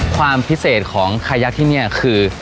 ความพิเศษของขยักที่นี่คือ